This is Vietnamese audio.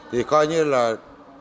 thì coi như là thiết bị